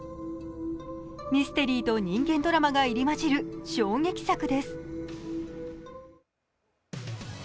ミステリーと人間ドラマが入り交じる衝撃作です。